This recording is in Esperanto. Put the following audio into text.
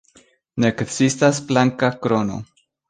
Ne ekzistas flanka krono.